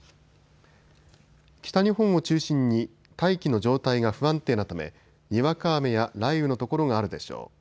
北日本を中心に大気の状態が不安定なためにわか雨や雷雨の所があるでしょう。